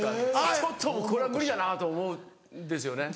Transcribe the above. ちょっとこれは無理だなと思うんですよね。